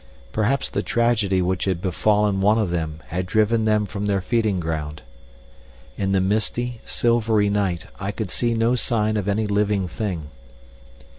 Perhaps the tragedy which had befallen one of them had driven them from their feeding ground. In the misty, silvery night I could see no sign of any living thing.